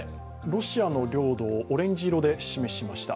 ロシアの領土をオレンジ色で示しました。